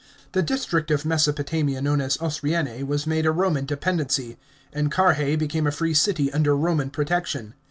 The district of Mesopotamia known as Osroene was made a Roman dependency, and Carrhae became a free city under Roman protection.